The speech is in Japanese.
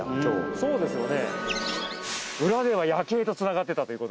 そうですよね